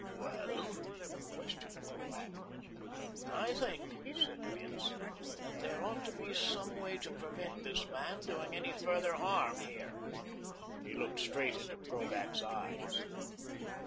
"Well?" questioned Krovac. "I think," said Bince, "that there ought to be some way to prevent this man doing any further harm here." He looked straight into Krovac's eyes.